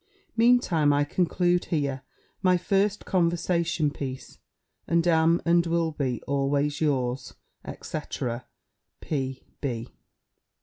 Mean time I conclude here my first conversation piece; and am, and will be, always yours, &c. P.B.